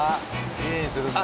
きれいにするんだ。